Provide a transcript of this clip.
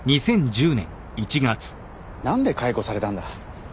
なんで解雇されたんだ？